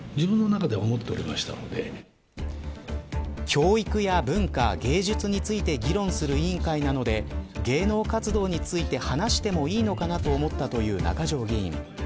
教育や文化、芸術について議論する委員会なので芸能活動について話してもいいのかなと思ったという中条議員。